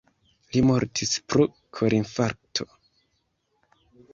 Li mortis pro korinfarkto.